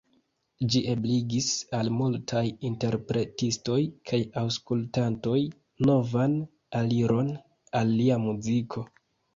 Ĝi ebligis al multaj interpretistoj kaj aŭskultantoj novan aliron al lia muziko.